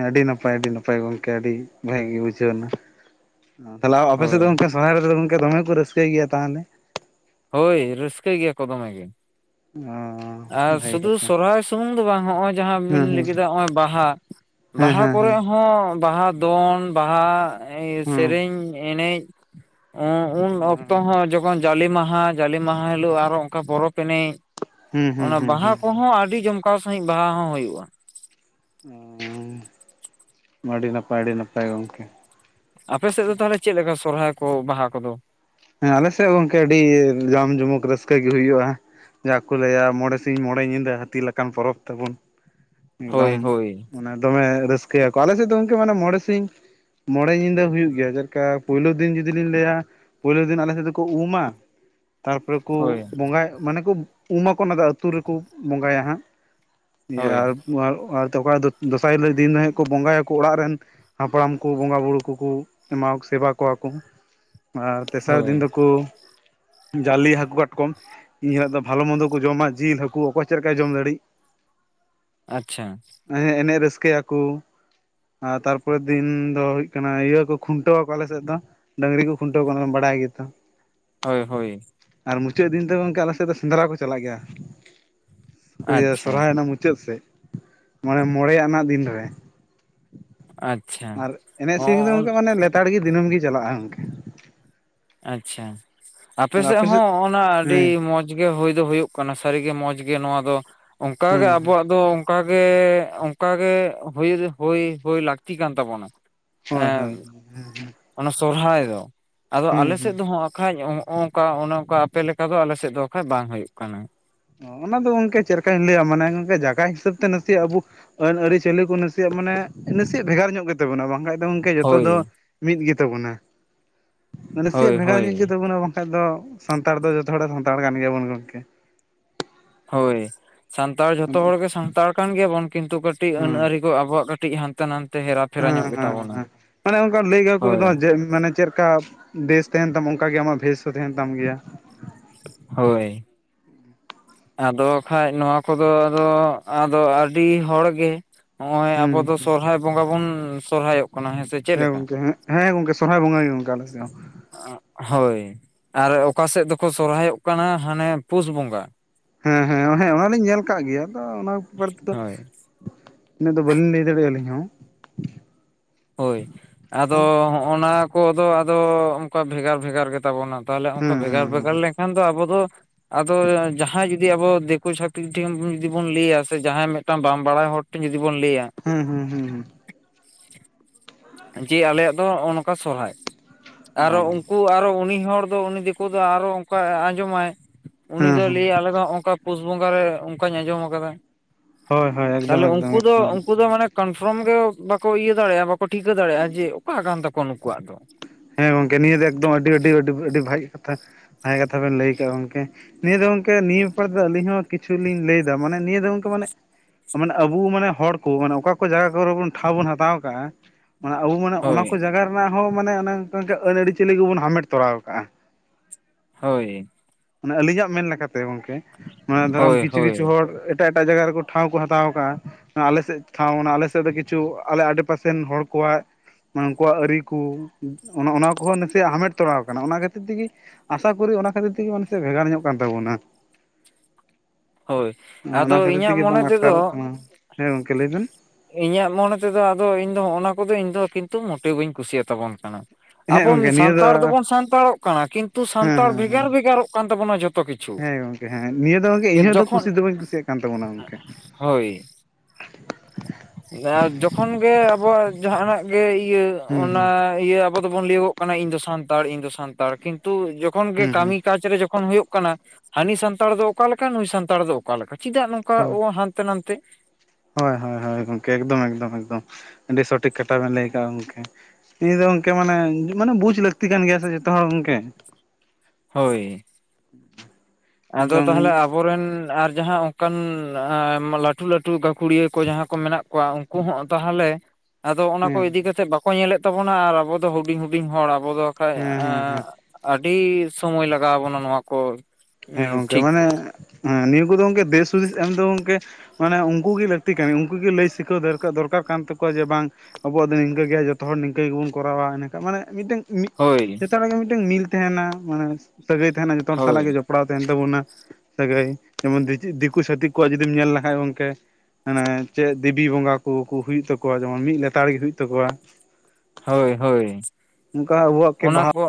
ᱟᱹᱰᱤ ᱱᱟᱯᱟᱭ ᱟᱹᱰᱤ ᱱᱟᱯᱟᱭ ᱜᱚᱝᱠᱮ ᱟᱹᱰᱤ ᱵᱷᱟᱹᱜᱮ ᱵᱩᱡᱷᱟᱹᱣ ᱮᱱᱟ᱾ ᱛᱟᱦᱚᱞᱮ ᱟᱯᱮ ᱥᱮᱫ ᱦᱳᱭ ᱫᱚ ᱥᱚᱨᱦᱟᱭ ᱨᱮᱫᱚ ᱜᱚᱝᱠᱮ ᱫᱚᱢᱮ ᱠᱚ ᱨᱟᱹᱥᱠᱟᱹᱭ ᱜᱮᱭᱟ ᱛᱟᱦᱚᱞᱮ? ᱦᱳᱭ ᱨᱟᱹᱥᱠᱟᱹᱭ ᱜᱮᱭᱟ ᱠᱚ ᱫᱚᱢᱮᱜᱮ᱾ ᱚ ᱟᱨ ᱵᱷᱟᱜᱮ ᱥᱩᱫᱷᱩ ᱠᱟᱛᱷᱟ ᱥᱚᱨᱦᱟᱭ ᱥᱩᱢᱩᱝ ᱫᱚ ᱵᱟᱝ ᱱᱚᱜᱼᱚᱭ ᱡᱟᱦᱟᱸ ᱵᱤᱱ ᱦᱮᱸ ᱞᱟᱹᱭ ᱠᱮᱫᱟ ᱱᱚᱜᱼᱚᱭ ᱵᱟᱦᱟ, ᱦᱮᱸ ᱦᱮᱸ ᱵᱟᱦᱟ ᱦᱮᱸ ᱠᱚᱨᱮ ᱦᱮᱸ ᱦᱚᱸ ᱵᱟᱦᱟ ᱫᱚᱱ ᱵᱟᱦᱟ ᱦᱩᱸ ᱥᱮᱨᱮᱧ ᱮᱱᱮᱡ ᱩᱱ ᱚᱠᱛᱚ ᱦᱩᱸ ᱦᱚᱸ ᱡᱚᱠᱷᱚᱱ ᱡᱟᱞᱮ ᱢᱟᱦᱟ ᱡᱟᱞᱮ ᱢᱟᱦᱟ ᱦᱤᱞᱳᱜ ᱟᱨᱚ ᱚᱱᱠᱟ ᱯᱚᱨᱚᱵᱽ ᱮᱱᱮᱡ᱾ ᱦᱩᱸ ᱦᱩᱸ ᱚᱱᱟ ᱦᱩᱸ ᱵᱟᱦᱟ ᱦᱩᱸ ᱠᱚᱦᱚᱸ ᱟᱹᱰᱤ ᱡᱚᱢᱠᱟᱣ ᱥᱟᱹᱦᱤᱡ ᱵᱟᱦᱟ ᱦᱚᱸ ᱦᱩᱭᱩᱜᱼᱟ᱾ ᱟᱹᱰᱤ ᱱᱟᱯᱟᱭ ᱟᱹᱰᱤ ᱱᱟᱯᱟᱭ ᱜᱚᱢᱠᱮ᱾ ᱟᱯᱮ ᱥᱮᱫ ᱫᱚ ᱛᱟᱦᱚᱞᱮ ᱪᱮᱫ ᱞᱮᱠᱟ ᱥᱚᱨᱦᱟᱭ ᱠᱚ ᱵᱟᱦᱟ ᱠᱚᱫᱚ? ᱦᱮᱸ ᱟᱞᱮᱥᱮᱫ ᱜᱚᱝᱠᱮ ᱟᱹᱰᱤ ᱡᱟᱢᱼ ᱡᱚᱢᱚᱠ ᱨᱟᱹᱥᱠᱟᱹ ᱜᱮ ᱦᱩᱭᱩᱜᱼᱟ᱾ ᱡᱟᱦᱟᱸ ᱠᱚ ᱞᱟᱹᱭᱟ ᱢᱚᱬᱮ ᱥᱤᱧ ᱢᱚᱬᱮ ᱧᱤᱫᱟᱹ ᱦᱟᱹᱛᱤ ᱞᱮᱠᱟᱱ ᱯᱚᱨᱚᱵᱽ ᱛᱟᱵᱩᱱ᱾ ᱮᱠᱫᱚᱢ ᱦᱳᱭ ᱦᱳᱭ ᱢᱟᱱᱮ ᱫᱚᱢᱮ ᱨᱟᱹᱥᱠᱟᱹᱭᱟᱠᱚ᱾ ᱟᱞᱮ ᱥᱮᱫ ᱫᱚ ᱜᱚᱝᱠᱮ ᱢᱟᱱᱮ ᱢᱚᱬᱮ ᱥᱤᱧ ᱢᱚᱬᱮ ᱧᱤᱫᱟᱹ ᱦᱩᱭᱩᱜ ᱜᱮᱭᱟ᱾ ᱪᱮᱫᱠᱟ ᱯᱳᱭᱞᱳ ᱫᱤᱱ ᱡᱩᱫᱤ ᱞᱤᱧ ᱞᱟᱹᱭᱟ, ᱯᱳᱭᱞᱳ ᱫᱤᱱ ᱟᱞᱮᱥᱮᱫ ᱫᱚᱠᱚ ᱩᱢᱟ᱾ ᱛᱟᱨᱯᱚᱨᱮ ᱠᱚ ᱦᱳᱭ ᱵᱚᱸᱜᱟᱭ ᱢᱟᱱᱮ ᱠᱚ ᱩᱢᱟ ᱠᱚ ᱚᱱᱟᱛ ᱨᱮᱠᱚ ᱵᱚᱸᱜᱟᱭᱟ ᱦᱟᱸᱜ᱾ ᱦᱳᱭ ᱟᱨ ᱟᱨ ᱚᱠᱟ ᱫᱚ ᱫᱚᱥᱟᱨ ᱦᱤᱞᱳᱜ ᱫᱤᱱ [unintelligible] ᱠᱚ ᱵᱚᱸᱜᱟᱭᱟᱠᱚ ᱚᱲᱟᱜ ᱨᱮᱱ᱾ ᱦᱟᱯᱲᱟᱢ ᱠᱚ ᱵᱚᱸᱜᱟ ᱵᱩᱨᱩ ᱠᱚᱠᱚ ᱮᱢᱟ ᱥᱮᱵᱟ ᱠᱚᱣᱟ ᱠᱚ᱾ ᱟᱨ ᱛᱮᱥᱟᱨ ᱫᱤᱱ ᱦᱳᱭ ᱫᱚᱠᱚ ᱡᱟᱞᱮ ᱦᱟᱹᱠᱩ ᱠᱟᱴᱠᱚᱢ ᱤᱧ ᱦᱤᱞᱳᱜ ᱫᱚ ᱡᱟᱞᱤ ᱦᱟᱹᱠᱩ ᱠᱟᱴᱠᱚᱢ, ᱵᱷᱟᱞᱚ ᱢᱚᱱᱫᱚ ᱠᱚ ᱡᱚᱢᱟ ᱡᱤᱞ ᱦᱟᱹᱠᱩ ᱚᱠᱚᱭ ᱪᱮᱫ ᱞᱮᱠᱟᱭ ᱡᱚᱢ ᱫᱟᱲᱮᱜ᱾ ᱟᱪᱪᱷᱟ ᱦᱮᱸ ᱮᱱᱮᱡ ᱨᱟᱹᱥᱠᱟᱹᱭᱟᱠᱚ ᱟᱨ ᱛᱟᱨᱯᱚᱨᱮ ᱫᱤᱱ ᱫᱚ ᱦᱳᱭᱳᱜ ᱠᱟᱱᱟ ᱤᱭᱟᱹ ᱠᱚ ᱠᱷᱩᱱᱴᱟᱹᱣᱟ ᱠᱚ ᱟᱞᱮ ᱥᱮᱫ ᱫᱚ᱾ ᱰᱟᱹᱝᱨᱤ ᱠᱚ ᱠᱷᱩᱱᱴᱟᱹᱣᱮᱢ ᱵᱟᱲᱟᱭ ᱜᱮᱛᱚ ᱦᱳᱭ ᱦᱳᱭ, ᱟᱨ ᱢᱩᱪᱟᱹᱫ ᱫᱤᱱ ᱫᱚ ᱜᱚᱝᱠᱮ ᱟᱞᱮ ᱥᱮᱫ ᱫᱚ ᱥᱮᱸᱫᱽᱨᱟ ᱠᱚ ᱪᱟᱞᱟᱜ ᱜᱮᱭᱟ᱾ ᱟᱪᱪᱷᱟ ᱥᱚᱨᱦᱟᱭ ᱨᱮᱱᱟᱜ ᱢᱩᱪᱟᱹᱫ ᱥᱮᱫ ᱢᱟᱱᱮ ᱢᱚᱬᱮ ᱟᱱᱟᱜ ᱫᱤᱱ ᱨᱮ, ᱟᱪᱪᱷᱟ ᱟᱨ ᱮᱱᱮᱡ ᱥᱮᱨᱮᱧ ᱦᱚᱸ ᱫᱚᱠ ᱢᱟᱱᱮ ᱞᱮᱛᱟᱲ ᱜᱮ ᱫᱤᱱᱟᱹᱢ ᱜᱮ ᱪᱟᱞᱟᱜᱼᱟ᱾ ᱟᱪᱪᱷᱟ ᱟᱯᱮ ᱥᱮᱫ ᱦᱚᱸ ᱚᱱᱟ ᱟᱹᱰᱤ ᱦᱮᱸ ᱢᱚᱡᱽ [unintelligible] ᱢᱚ ᱜᱮ ᱦᱩᱭᱩᱜ ᱠᱟᱱᱟ ᱥᱟᱹᱨᱤᱜᱮ ᱢᱚᱸᱡᱽ ᱜᱮ ᱱᱚᱣᱟ ᱫᱚ ᱚᱱᱠᱟᱜᱮ ᱦᱮᱸ ᱟᱵᱚᱣᱟᱜ ᱫᱚ᱾ ᱚᱱᱠᱟᱜᱮ ᱚᱱᱠᱟ ᱜᱮ ᱦᱩᱭ ᱦᱚ ᱞᱟᱹᱠᱛᱤ ᱠᱟᱱ ᱛᱟᱵᱚᱱᱟ᱾ ᱦᱳᱭ ᱦᱳᱭ, ᱮᱸ [inaudible] ᱚᱱᱟ ᱥᱚᱨᱚᱦᱟᱭ ᱫᱚ [inaudible] ᱟᱫᱚ ᱦᱩᱸ ᱦᱩᱸ ᱟᱞᱮᱮᱥᱮᱫ ᱫᱚ ᱦᱚᱸ ᱵᱟᱠᱷᱟᱡ ᱱᱚᱜ ᱱᱚᱝᱠᱟ ᱚᱱᱮ ᱚᱱᱠᱟ ᱟᱯᱮ ᱞᱮᱠᱟ ᱫᱚ ᱟᱞᱮᱥᱮᱫ ᱫᱚ ᱵᱟᱠᱷᱟᱡ ᱵᱟᱝ ᱦᱩᱭᱩᱜ ᱠᱟᱱᱟ᱾ ᱚᱱᱟ ᱫᱚ ᱜᱚᱝᱠᱮ ᱪᱮᱫ ᱞᱮᱠᱟᱧ ᱞᱟᱹᱭᱟ ᱢᱟᱱᱮ ᱜᱚᱝᱠᱮ ᱡᱟᱭᱜᱟ ᱦᱤᱥᱟᱹᱵ ᱛᱮ ᱱᱟᱥᱮᱭᱟᱜ ᱟᱵᱚ ᱟᱹᱱ ᱟᱹᱨᱤᱪᱟᱹᱞᱤ ᱠᱚ ᱱᱟᱥᱮᱭᱟᱜ ᱢᱟᱱᱮ ᱱᱟᱥᱮᱭᱟᱜ ᱵᱷᱮᱜᱟᱨ ᱧᱚᱜ ᱜᱮᱛᱟ ᱵᱚᱱᱟ ᱵᱟᱝ ᱠᱷᱟᱱ ᱜᱚᱝᱠᱮ ᱡᱚᱛᱚ ᱦᱳᱭ ᱫᱚ ᱢᱤᱫ ᱜᱮᱛᱟ ᱵᱚᱱᱟ ᱢᱟᱱᱮ ᱦᱳᱭ ᱱᱟᱥᱮᱭᱟᱜ ᱵᱷᱮᱜᱟᱨ ᱦᱳᱭ ᱧᱚᱜ ᱜᱮ ᱛᱟᱵᱚᱱᱟ ᱵᱟᱝ, ᱵᱟᱠᱷᱟᱡ ᱫᱚ ᱥᱟᱱᱛᱟᱲ ᱫᱚ ᱡᱚᱛᱚ ᱦᱚᱲ ᱥᱟᱱᱛᱟᱲ ᱠᱟᱱ ᱜᱮᱭᱟ ᱵᱚᱱ ᱜᱚᱝᱠᱮ᱾ ᱦᱳᱭ ᱥᱟᱱᱛᱟᱲ ᱡᱚᱛᱚ ᱦᱚᱲ ᱜᱮ ᱥᱟᱱᱛᱟᱲ ᱠᱟᱱ ᱜᱮᱭᱟᱵᱚᱱ ᱠᱤᱱᱛᱩ ᱠᱟᱹᱴᱤᱡ ᱟᱹᱱ ᱦᱩᱸ ᱟᱹᱤ ᱠᱚ ᱟᱵᱚᱣᱟᱜ ᱠᱟᱹᱴᱤᱡ ᱦᱟᱱᱛᱮ ᱱᱟᱛᱮ ᱦᱮᱨᱟ ᱯᱷᱮᱨᱟ ᱧᱚᱜ ᱦᱮᱸ ᱦᱮᱸ ᱜᱮᱛᱟᱵᱚᱱᱟ ᱦᱮᱸ ᱢᱟᱱᱮ ᱚᱱᱠᱟ ᱞᱟᱹᱭ ᱜᱮᱭᱟ ᱠᱚ ᱦᱳᱭ ᱡᱮ ᱢᱟᱱᱮ ᱪᱮᱫ ᱞᱮᱠᱟ [unintelligible] ᱫᱮᱥ ᱛᱟᱦᱮᱱ ᱛᱟᱢᱟ ᱚᱱᱠᱟᱜ ᱜᱮ ᱟᱢᱟᱜ ᱵᱷᱮᱥ ᱦᱚᱸ ᱛᱟᱦᱮᱱ ᱛᱟᱢ ᱜᱮᱭᱟ, ᱦᱳᱭ, [inaudible] ᱟᱫᱚ ᱠᱷᱟᱱᱡ ᱱᱚᱣᱟ ᱠᱚᱫᱚ ᱟᱫᱚ ᱟᱹᱰᱤ ᱦᱚᱲᱜᱮ ᱱᱚᱜ ᱚᱭ ᱟᱵᱚ ᱦᱩᱸ ᱫᱚ ᱥᱚᱦᱟᱨᱟᱭ ᱵᱚᱸᱜᱟ ᱵᱚᱱ ᱥᱚᱨᱦᱟᱭᱚᱜ ᱠᱟᱱᱟ ᱦᱮᱸᱥᱮ ᱦᱮᱸ ᱜᱚᱝᱠᱮ ᱦᱮᱸ ᱜᱚᱝᱠᱮ ᱥᱚᱨᱦᱟᱭ ᱵᱚᱸᱜᱟ ᱜᱮ ᱜᱚᱝᱠᱮ ᱟᱞᱮ ᱦᱚ᱾ ᱦᱳᱭ ᱟᱨ ᱚᱠᱟ ᱥᱮᱫ ᱫᱚᱠᱚ ᱥᱚᱨᱦᱟᱭᱚᱜ ᱠᱟᱱᱟ ᱦᱟᱱᱮ ᱯᱩᱥ ᱵᱚᱸᱜᱟ᱾ ᱦᱮᱸ ᱦᱮᱸ ᱦᱮᱸ ᱚᱱᱟᱞᱤᱧ ᱧᱮᱞ ᱠᱟᱜ ᱜᱮᱭᱟ ᱟᱫᱚ ᱚᱱᱟ ᱵᱮᱯᱟᱨ ᱛᱮ ᱫᱚ ᱦᱳᱭ ᱩᱱᱟᱹᱜ ᱫᱚ ᱵᱟᱹᱞᱤᱧ ᱞᱟᱹᱭ ᱫᱟᱲᱮᱭᱟᱜ-ᱟ ᱟᱹᱞᱤᱧ ᱦᱚ᱾ ᱦᱳᱭ ᱟᱫᱚ ᱦᱚᱜᱼᱱᱟ ᱠᱚᱫᱚ ᱟᱫᱚ ᱚᱱᱠᱟ ᱵᱷᱮᱜᱟᱨ ᱵᱷᱮᱜᱟᱨ ᱜᱮ ᱛᱟᱵᱚᱱᱟ᱾ ᱛᱟᱦᱚᱞᱮ ᱦᱩᱸ ᱚᱱᱠᱟ ᱵᱷᱮᱜᱟᱨ ᱵᱷᱮᱜᱟᱨ ᱦᱩᱸ ᱞᱮᱱᱠᱷᱟᱱ ᱫᱚ ᱟᱵᱚ ᱫᱚ, ᱟᱫᱚ ᱡᱟᱦᱟᱸᱭ ᱡᱩᱫᱤ ᱟᱵᱚ ᱫᱤᱠᱩ ᱪᱷᱟᱹᱛᱤᱠ ᱴᱷᱮᱱ ᱡᱩᱫᱤ ᱵᱚᱱ ᱞᱟᱹᱭᱟ ᱥᱮ ᱡᱟᱦᱟᱸᱭ ᱢᱤᱫᱴᱟᱝ ᱵᱟᱝᱢ ᱵᱟᱲᱟᱭ ᱦᱚᱲ ᱢᱤᱫᱴᱮᱱ ᱡᱩᱫᱤ ᱵᱚᱱ ᱞᱟᱹᱭᱟ, ᱦᱩᱸ ᱦᱩᱸ ᱦᱩᱸ ᱦᱩᱸ, ᱡᱮ ᱟᱞᱮᱭᱟᱜ ᱫᱚ ᱱᱚᱜ-ᱚ ᱱᱚᱝᱠᱟ ᱥᱚᱨᱦᱟᱭ ᱟᱨᱚ ᱦᱩᱸ ᱩᱱᱠᱩ ᱟᱨᱚ ᱩᱱᱤ ᱦᱚᱲ ᱩᱱᱤ ᱫᱤᱠᱩ ᱫᱚ ᱟᱨᱚ ᱚᱱ ᱟᱸᱡᱚᱢᱟᱭ ᱩᱱᱤ ᱦᱩᱸ ᱫᱚᱭ ᱦᱩᱸ ᱞᱟᱹᱭᱟ ᱟᱞᱮ ᱫᱚ ᱚᱱᱠᱟ ᱯᱩᱥ ᱵᱚᱸᱜᱟ ᱨᱮ ᱚᱱᱠᱟᱧ ᱟᱸᱡᱚᱢ ᱟᱠᱟᱫᱟ ᱦᱳᱭ ᱦᱳᱭ ᱮᱠᱫᱚᱢ ᱛᱟᱦᱚᱞᱮ ᱮᱠᱫᱚᱢ ᱩᱱᱠᱩ ᱫᱚ ᱮᱠᱫᱚᱢ ᱩᱱᱠᱩ ᱫᱚ ᱢᱟᱱᱮ ᱠᱚᱱᱯᱷᱟᱨᱢ ᱜᱮ ᱵᱟᱠᱚ ᱫᱟᱲᱭᱟᱜ-ᱟ ᱵᱟᱠᱚ ᱴᱷᱤᱠᱟᱹ ᱡᱮ ᱚᱠᱟ ᱠᱟᱱ ᱛᱟᱠᱚᱣᱟ ᱱᱩᱠᱩ ᱣᱟᱜ ᱫᱚ᱾ ᱦᱮᱸ ᱜᱚᱝᱠᱮ ᱱᱤᱭᱟᱹ ᱫᱚ ᱮᱠᱫᱚᱢ ᱟᱹᱰᱤ ᱟᱹᱰᱤ ᱟᱹᱰᱤ ᱟᱹᱰᱤ ᱵᱷᱟᱜᱤ ᱠᱟᱛᱷᱟ ᱵᱷᱟᱜᱮ ᱠᱟᱛᱷᱟ ᱵᱮᱱ ᱞᱟᱹᱭ ᱠᱟᱜ-ᱟ ᱜᱚᱝᱠᱮ᱾ ᱱᱤᱭᱟᱹ ᱫᱚ ᱜᱚᱝᱠᱮ ᱱᱤᱭᱟᱹ ᱵᱮᱯᱟᱨ ᱫᱚ ᱟᱹᱞᱤᱧ ᱦᱚᱸ ᱠᱤᱪᱷᱩ ᱞᱤᱧ ᱞᱟᱹᱭᱮᱫᱟ ᱢᱟᱱᱮ ᱱᱤᱭᱟᱹ ᱫᱚ ᱜᱚᱝᱠᱮ ᱢᱟᱱᱮ ᱢᱟᱱᱮ ᱟᱵᱚ ᱢᱟᱱᱮ ᱦᱚᱲ ᱠᱚ ᱢᱟᱱᱮ ᱚᱠᱟ ᱠᱚ ᱡᱟᱭᱜᱟ ᱠᱚᱨᱮ ᱴᱷᱟᱶ ᱵᱚᱱ ᱦᱟᱛᱟᱣ ᱟᱠᱟᱜᱼᱟ ᱢᱟᱱᱮ ᱟᱵᱚ ᱢᱟᱱᱮ ᱚᱱᱟ ᱦᱳᱭ ᱠᱚ ᱡᱟᱭᱜᱟ ᱨᱮᱱᱟᱜ ᱦᱚᱸ ᱢᱟᱱᱮ ᱚᱱᱮ ᱜᱮ ᱟᱹᱱ ᱟᱹᱨᱤᱪᱟᱹᱞᱤ ᱜᱮᱵᱚᱱ ᱦᱟᱢᱮᱴ ᱛᱚᱨᱟᱣ ᱟᱠᱟᱫ-ᱟ᱾ ᱦᱳᱭ, ᱢᱟᱱᱮ ᱟᱹᱞᱤᱧᱟᱜ ᱢᱮᱱ ᱞᱮᱠᱟᱛᱮ ᱜᱚᱝᱠᱮ ᱢᱟᱱᱮ ᱫᱷᱚᱨᱚᱢ ᱦᱳᱭ ᱠᱤᱪᱷᱩ ᱦᱳᱭ ᱠᱤᱪᱷᱩ ᱦᱚᱲ ᱮᱴᱟᱜ ᱮᱴᱟᱜ ᱡᱟᱭᱜᱟ ᱨᱮ ᱠᱚ ᱴᱷᱟᱶ ᱠᱚ ᱦᱟᱛᱟᱣ ᱟᱠᱟᱫ-ᱟ᱾ ᱟᱞᱮ ᱥᱮᱫ ᱴᱷᱟᱶ ᱚᱱᱟ ᱟᱞᱮ ᱥᱮᱫ ᱫᱚ ᱠᱤᱪᱷᱩ ᱟᱞᱮ ᱟᱰᱮ ᱯᱟᱥᱮ ᱨᱮᱱ ᱦᱚᱲ ᱠᱚᱣᱟᱜ ᱩᱱᱠᱩᱣᱟᱜ ᱟᱹᱨᱤ ᱠᱚ ᱚᱱᱟ ᱠᱚᱦᱚᱸ ᱱᱟᱥᱮᱭᱟᱜ ᱦᱟᱢᱮᱴ ᱛᱚᱨᱟᱣ ᱟᱠᱟᱱᱟ ᱚᱱᱟ ᱠᱷᱟᱹᱛᱤᱨ ᱛᱮᱜᱮ ᱟᱥᱟ ᱠᱚᱨᱤ ᱚᱱᱟ ᱠᱷᱟᱹᱛᱤᱨ ᱛᱮᱜᱮ ᱢᱟᱱᱮᱫ ᱵᱷᱮᱜᱟᱨ ᱧᱚᱜ ᱟᱠᱟᱱ ᱛᱟᱵᱚᱱᱟ᱾ ᱦᱳᱭ ᱚᱱᱟ ᱟᱫᱚ ᱠᱷᱟᱹᱛᱤᱨ ᱤᱧᱟᱹᱜ ᱛᱮᱜᱮ ᱵᱟᱝ ᱢᱚᱱᱮ ᱟᱴᱠᱟᱨᱚᱜ ᱛᱮᱫᱚ ᱠᱟᱱᱟ ᱦᱮᱸ ᱜᱚᱝᱠᱮ ᱞᱟᱹᱭ ᱵᱮᱱ? ᱤᱧᱟᱹᱜ ᱢᱚᱱᱮ ᱛᱮᱫᱚ ᱟᱫᱚ ᱤᱧ ᱫᱚ ᱱᱚᱜ ᱱᱚᱣᱟ ᱠᱚᱫᱚ ᱤᱧ ᱫᱚ ᱠᱤᱱᱛᱩ ᱟᱫᱚ ᱵᱟᱹᱧ ᱠᱩᱥᱤᱭᱟ ᱛᱟᱵᱚᱱ ᱠᱟᱱᱟ᱾ ᱦᱮᱸ ᱟᱵᱚ ᱜᱚᱝᱠᱮ ᱱᱤᱭᱟᱹ ᱫᱚ ᱥᱟᱱᱛᱟᱲ ᱫᱚᱵᱚᱱ ᱦᱮᱸ ᱥᱟᱱᱛᱟᱲᱚᱜ ᱠᱟᱱᱟ ᱠᱤᱱᱛᱩ ᱥᱟᱱᱛᱟᱲ ᱦᱮᱸ ᱵᱷᱮᱜᱟᱨ ᱦᱮᱸ ᱵᱷᱮᱜᱟᱨᱚᱜ ᱠᱟᱱ ᱛᱟᱵᱚᱱᱟ ᱡᱚᱛᱚ, ᱠᱤᱪᱷᱩ ᱦᱮᱸ ᱜᱚᱝᱠᱮ ᱦᱮᱸ ᱱᱤᱭᱟᱹ ᱫᱚ ᱜᱚᱢᱠᱮ ᱤᱧ ᱫᱚ ᱠᱩᱥᱤ ᱡᱚᱠᱷᱚᱱ ᱫᱚ ᱵᱟᱹᱧ ᱠᱩᱥᱤᱭᱟᱜ ᱠᱟᱱ ᱛᱟᱵᱚᱱᱟ ᱜᱚᱝᱠᱮ᱾ ᱦᱳᱭ, ᱟᱨ ᱡᱚᱠᱷᱚᱱ ᱜᱮ ᱟᱵᱚᱣᱟᱜ ᱡᱟᱦᱟᱱᱟᱜ ᱜᱮ ᱤᱭᱟᱹ ᱦᱩᱸ ᱚᱱᱟ ᱦᱩᱸ ᱤᱭᱟᱹ ᱟᱵᱚ ᱫᱚᱵᱚᱱ ᱞᱟᱹᱭᱚᱜ ᱠᱟᱱᱟ ᱤᱧ ᱫᱚ ᱥᱟᱱᱛᱟᱲ ᱤᱧ ᱫᱚ ᱥᱟᱱᱛᱟᱲ ᱠᱤᱱᱛᱩ ᱡᱚᱠᱷᱚᱱ ᱜᱮ ᱦᱩᱸ ᱦᱩᱸ ᱠᱟᱹᱢᱤ ᱠᱟᱡᱽ ᱨᱮ ᱡᱚᱠᱷᱚᱱ ᱦᱳᱭᱳᱜ ᱦᱟᱹᱱᱤ ᱥᱟᱱᱛᱟᱲ ᱫᱚ ᱚᱠᱟ ᱞᱮᱠᱟ ᱱᱩᱭ ᱥᱟᱱᱛᱟᱲ ᱫᱚ ᱚᱠᱟ ᱞᱮᱠᱟ ᱪᱮᱫᱟᱜ ᱱᱚᱝᱠᱟ ᱦᱳᱭ ᱦᱟᱱᱛᱮ ᱱᱟᱛᱮ? ᱦᱳᱭ ᱦᱳᱭ ᱦᱳᱭ ᱜᱚᱢᱠᱮ ᱮᱠᱫᱚᱢ ᱮᱠᱫᱚᱢ ᱮᱠᱫᱚᱢ ᱟᱹᱰᱤ ᱥᱚᱴᱷᱤᱠ ᱠᱟᱛᱷᱟ ᱵᱮᱱ ᱞᱟᱹᱭ ᱠᱟᱜᱼᱟ ᱜᱚᱢᱠᱮ᱾ ᱱᱤᱭᱮ ᱫᱚ ᱜᱚᱝᱠᱮ ᱢᱟᱱᱮ ᱢᱟᱱᱮ ᱵᱩᱡ ᱞᱟᱹᱠᱛᱤ ᱠᱟᱱ ᱜᱮᱭᱟ ᱥᱮ ᱡᱷᱚᱛᱚ ᱦᱚᱲ ᱜᱚᱝᱠᱮ᱾ ᱦᱳᱸᱭ [unintelligible] ᱟᱫᱚ ᱮᱠᱫᱚᱢ ᱛᱟᱦᱚᱞᱮ ᱟᱵᱚᱨᱮᱱ ᱟᱨ ᱡᱟᱸᱦᱟᱭ ᱚᱱᱠᱟᱱ ᱞᱟᱹᱴᱩ ᱞᱟᱹᱴᱩ ᱜᱟᱹᱠᱷᱩᱲᱤᱭᱟᱹ ᱠᱚ ᱡᱟᱦᱟ ᱠᱚ ᱢᱮᱱᱟᱜ ᱠᱚᱣᱟ ᱩᱱᱠᱩ ᱦᱚᱸ ᱛᱟᱦᱚᱸᱞᱮ ᱟᱫᱚ ᱚᱱᱟ ᱠᱚ ᱦᱮᱸ ᱤᱫᱤ ᱠᱟᱛᱮᱫ ᱵᱟᱠᱚ ᱧᱮᱞᱮᱫ ᱛᱟᱵᱚᱱᱟ ᱟᱨ ᱟᱵᱚ ᱫᱚ ᱦᱩᱸᱰᱤᱧ ᱦᱩᱸᱰᱤᱧ ᱦᱚᱲ ᱟᱵᱚ ᱫᱚ ᱵᱟᱠᱷᱟᱡ ᱦᱮᱸ ᱦᱮᱸ ᱦᱮᱸ ᱟᱹᱰᱤ ᱥᱚᱢᱚᱭ ᱞᱟᱜᱟᱣ ᱵᱚᱱᱟ ᱱᱚᱣᱟ ᱠᱚ, ᱦᱮᱸ ᱜᱚᱝᱠᱮ ᱴᱷᱤᱠ ᱢᱟᱱᱮ ᱱᱤᱭᱟᱹ ᱠᱚᱫᱚ ᱜᱚᱝᱠᱮ ᱫᱮᱥ ᱦᱩᱫᱤᱥ ᱮᱢ ᱫᱚ ᱜᱚᱝᱠᱮ ᱢᱟᱱᱮ ᱩᱱᱠᱩ ᱜᱮ ᱞᱟᱹᱠᱛᱤ ᱠᱟᱱᱟ ᱩᱱᱠᱩᱜ ᱜᱮ ᱞᱟᱹᱭ ᱥᱤᱠᱷᱟᱹᱣ ᱫᱚᱨᱠᱟᱨ ᱠᱟᱱ ᱛᱟᱠᱚᱣᱟ ᱡᱮ ᱵᱟᱝ, ᱟᱵᱚᱣᱟᱜ ᱫᱚ ᱱᱤᱝᱠᱟᱹ ᱜᱮᱭᱟ ᱡᱷᱚᱛᱚ ᱦᱚᱲ ᱱᱤᱝᱠᱟᱹ ᱜᱮᱵᱚᱱ ᱠᱚᱨᱟᱣᱟ ᱮᱸᱰᱮᱠᱷᱟᱡ ᱢᱟᱱᱮ ᱢᱤᱫᱴᱟᱝ ᱢᱤᱫ ᱦᱳᱭ ᱟᱫᱚ ᱜᱚᱢᱠᱮ ᱢᱤᱞ ᱛᱟᱸᱦᱮᱱᱟ ᱢᱟᱱᱮ ᱥᱟᱹᱜᱟᱹᱭ ᱛᱟᱦᱮᱱᱟ ᱡᱷᱚᱛᱚ ᱦᱚᱲ ᱥᱟᱞᱟᱜ ᱦᱳᱭ ᱜᱮ ᱡᱚᱯᱲᱟᱣ ᱛᱟᱦᱮᱸᱱ ᱛᱟᱵᱚᱱᱟ᱾ ᱥᱟᱹᱜᱟᱹᱭ ᱡᱮᱢᱚᱱ ᱫᱤᱠᱩ ᱡᱷᱟᱛᱤᱠ ᱠᱚᱣᱟᱜ ᱡᱩᱫᱤᱢ ᱧᱮᱞ ᱞᱮᱠᱷᱟᱡ ᱜᱚᱢᱠᱮ, ᱢᱟᱱᱮ ᱪᱮᱫ ᱫᱮᱵᱤ ᱵᱚᱸᱜᱟ ᱠᱩ ᱦᱩᱭᱩᱜ ᱛᱟᱠᱚᱣᱟ ᱡᱮᱢᱚᱱ ᱢᱤᱫ ᱞᱮᱛᱟᱲ ᱜᱮ ᱦᱩᱭᱩᱜ ᱛᱟᱠᱚᱣᱟ᱾ ᱦᱳᱭ ᱦᱳᱭ ᱚᱱᱠᱟ ᱟᱹᱵᱚᱣᱟᱜ ᱠᱤ ᱚᱱᱟ ᱵᱟᱸᱦᱟ ᱠᱚ